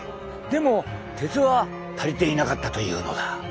でも鉄は足りていなかったというのだ！